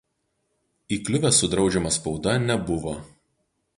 Įkliuvęs su draudžiama spauda nebuvo.